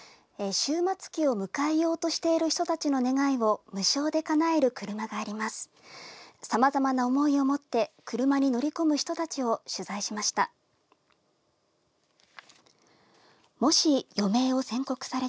終末期を迎えようとしている人たちの願いを無償でかなえる車があります。